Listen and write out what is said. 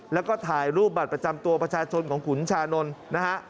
แล้วก็ถ่ายรูปบัตรประจำตัวประชาชนของขุนชานนท์นะฮะ